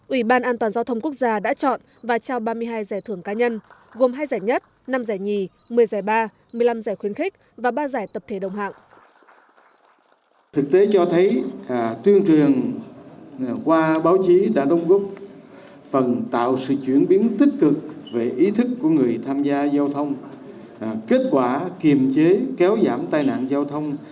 ủy ban an toàn giao thông quốc gia đã chọn và trao ba mươi hai giải thưởng cá nhân gồm hai giải nhất năm giải nhì một mươi giải ba một mươi năm giải khuyến khích và ba giải tập thể đồng hạng